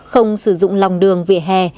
không sử dụng lòng đường vỉa hè